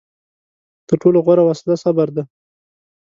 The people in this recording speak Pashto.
تر ټولو غوره وسله صبر دی.